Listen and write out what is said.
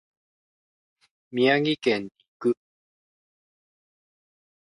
宮城県に行く。